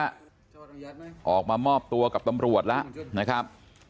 มอบตัวแล้วนะฮะออกมามอบตัวกับตำรวจแล้วนะครับ